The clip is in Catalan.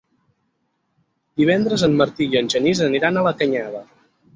Divendres en Martí i en Genís aniran a la Canyada.